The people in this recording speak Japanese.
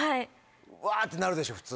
わってなるでしょ普通。